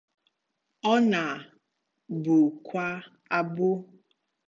O na bu kwa abu.